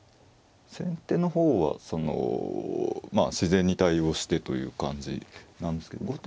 先手の方は自然に対応してという感じなんですけど。